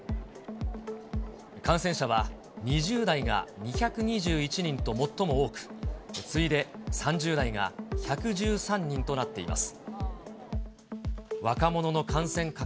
感染者は２０代が２２１人と最も多く、次いで、３０代が１１３人となっています。